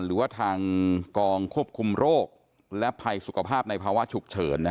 หรือว่าทางกองควบคุมโรคและภัยสุขภาพในภาวะฉุกเฉิน